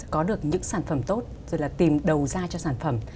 có được những sản phẩm tốt rồi là tìm đầu ra cho sản phẩm